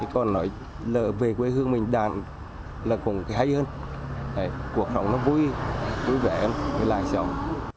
còn nói về quê hương mình là cũng hay hơn cuộc sống nó vui vẻ hơn vui lại sống